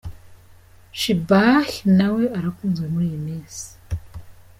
Sheebah na we arakunzwe muri iyi minsi.